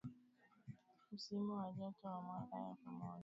msimu wa joto wa mwaka elfumoja miatisa themanini na tisa